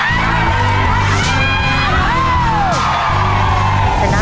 โรงเรียนที่รักของพวกเขา